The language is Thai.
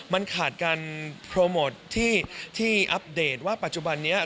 มันขาดการโปรโมทที่อัปเดตว่าปัจจุบันนี้